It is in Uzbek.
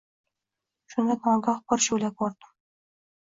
Shunda nogoh bir shu’la ko‘rdim